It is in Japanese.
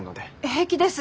平気です